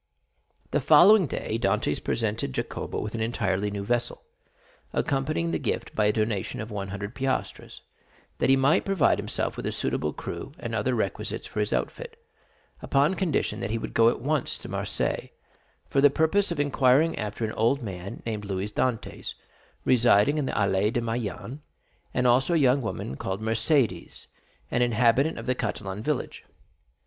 The following day Dantès presented Jacopo with an entirely new vessel, accompanying the gift by a donation of one hundred piastres, that he might provide himself with a suitable crew and other requisites for his outfit, upon condition that he would go at once to Marseilles for the purpose of inquiring after an old man named Louis Dantès, residing in the Allées de Meilhan, and also a young woman called Mercédès, an inhabitant of the Catalan village.